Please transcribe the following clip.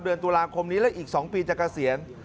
เดือนตุลาคมนี้และอีก๒ปีจะเกษียณ